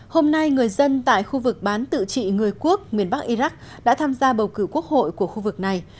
hôm nay người dân tại khu vực bán tự trị người quốc miền bắc iraq đã tham gia bầu cử quốc hội của khu vực này